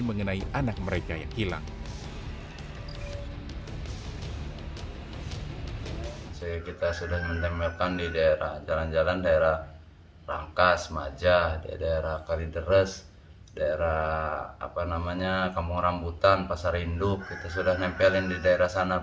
mengenai anak mereka yang hilang